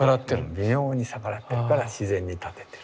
微妙に逆らってるから自然に立ててる。